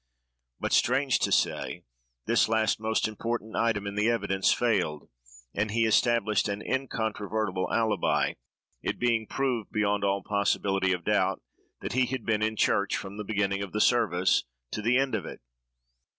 But, strange to say, this last most important item in the evidence failed, and he established an incontrovertible alibi; it being proved, beyond all possibility of doubt, that he had been in church from the beginning of the service to the end of it.